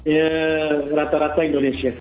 ya rata rata indonesia